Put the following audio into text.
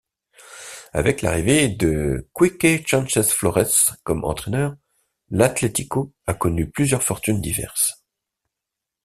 Avec l'arrivée de Quique Sánchez Flores comme entraîneur, l'Atlético a connu plusieurs fortunes diverses.